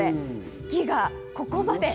好きがここまで。